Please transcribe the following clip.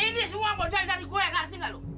ini semua moda yang tadi gue yang ngerti enggak lo